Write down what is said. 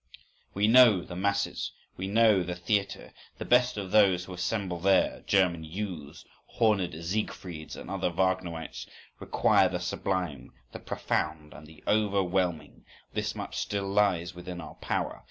… We know the masses, we know the theatre. The best of those who assemble there,—German youths, horned Siegfrieds and other Wagnerites, require the sublime, the profound, and the overwhelming. This much still lies within our power.